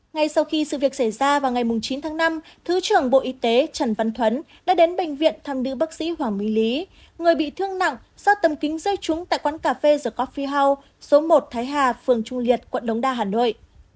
ngay sau khi sự việc xảy ra vào ngày chín tháng năm thứ trưởng bộ y tế trần văn thuấn đã đến bệnh viện thăm nữ bác sĩ hoàng minh lý người bị thương nặng do tầm kính rơi trúng tại quán cà phê the cophie house số một thái hà phường trung liệt quận đống đa hà nội